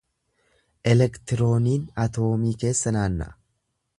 Elektirooniin atoomii keessa naanna’a.